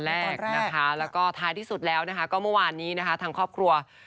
และก็ท้ายที่สุดแล้วก็เมื่อวานนี้ทางครอบครัว